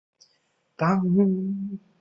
后于崇祯十七年寄居九江府。